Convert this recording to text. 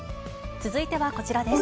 続いてはこちらです。